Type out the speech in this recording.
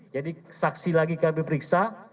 jadi saksi lagi kb periksa